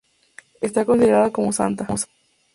Está considerada como santa.